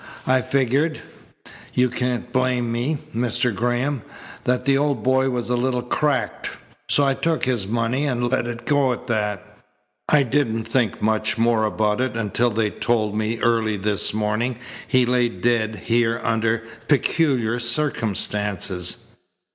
I figured you can't blame me, Mr. Graham that the old boy was a little cracked. So I took his money and let it go at that. I didn't think much more about it until they told me early this morning he lay dead here under peculiar circumstances."